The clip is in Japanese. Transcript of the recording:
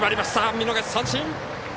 見逃し三振。